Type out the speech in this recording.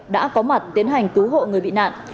đã có mặt tiến hành cứu hộ người bị nạn